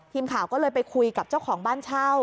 ทีมข่าวก็เลยไปคุยกับเจ้าของบ้านเช่า